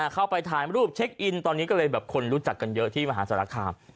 เข้าไปถ่ายรูปเช็คอินตอนนี้ก็เลยแบบคนรู้จักกันเยอะที่มหาสารคาม